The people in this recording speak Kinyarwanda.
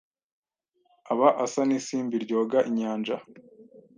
„Aba asa n’isimbi ryoga inyanja